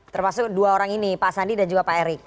termasuk dua orang ini pak sandi dan juga pak erik